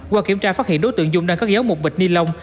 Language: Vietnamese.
qua kiểm tra phát hiện đối tượng dung đang có dấu một bịch ni lông